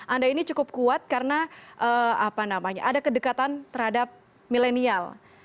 anda ini cukup kuat karena ada kedekatan terhadap milenial